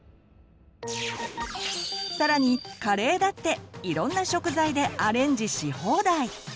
さらにカレーだっていろんな食材でアレンジし放題！